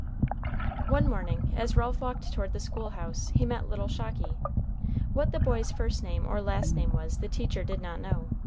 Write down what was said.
One morning, as Ralph walked toward the school house, he met little Shocky. What the boy's first name or last name was the teacher did not know.